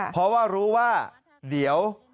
เพราะว่ารู้ว่าเดี๋ยว